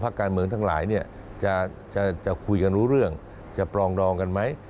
การเมืองทั้งหลายจะคุยกันรู้เรื่องจะปรองดองกันไหม